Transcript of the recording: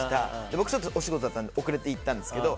僕はお仕事だったので遅れて行ったんですよ。